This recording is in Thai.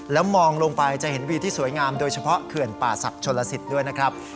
แล้วมองลงไปจะเห็นวีที่สวยงามโดยเฉพาะเขื่อนป่าศักดิ์ชนลสิทธิ์ด้วยนะครับ